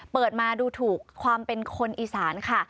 เปิดมาดูถูกความเป็นคนอีสานค่ะ